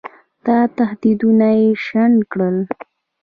دا تهدیدونه یې شنډ کړل.